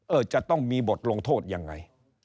จะต้องมีบทลงโทษยังไง